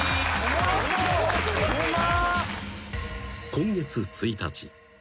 ［今月１日］